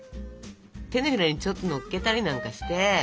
手のひらにちょっとのっけたりなんかして。